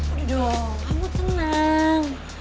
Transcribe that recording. aduh kamut tenang